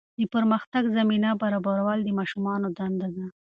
د پرمختګ زمینه برابرول د ماشومانو دنده ده.